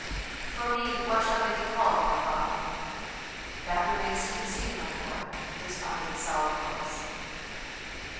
"For me what shall they be called, my father?" "That remains to be seen, my boy," responded the solemn voice.